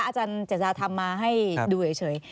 อาจารย์เจจาทำมาให้ดูเดี๋ยวเฉย